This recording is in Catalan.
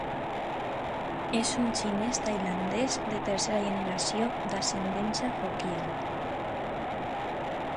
És un xinès tailandès de tercera generació d'ascendència hokkiana.